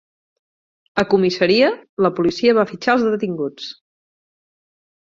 A comissaria, la policia va fitxar els detinguts.